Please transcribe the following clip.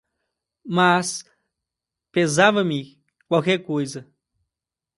Mas pesava-me qualquer coisa